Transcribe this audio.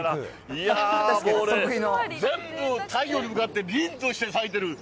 いやぁ、もうね、全部太陽に向かって、りんとして咲いてる。